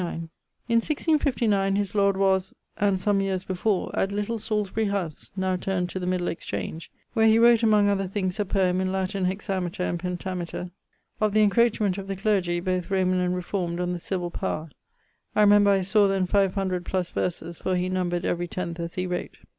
In 1659 his lord was and some yeares before at Little Salisbury house (now turned to the Middle Exchange), where he wrot, among other things, a poeme, in Latin hexameter and pentameter, of the encroachment of the clergie (both Roman and reformed) on the civil power[FS]. I remember I saw then 500 + verses, for he numbred every tenth as he wrote.